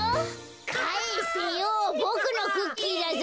かえせよボクのクッキーだぞ。